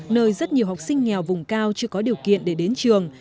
nơi rất nhiều học sinh nghèo vùng cao chưa có điều kiện để đến trường